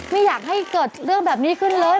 ไม่อยากให้เกิดเรื่องแบบนี้ขึ้นเลย